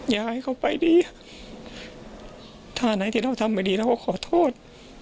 อยากให้เขาไปดีท่าไหนที่เราทำไม่ดีเราก็ขอโทษ